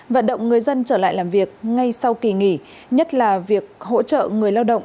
vận động người dân trở lại làm việc ngay sau kỳ nghỉ nhất là việc hỗ trợ người lao động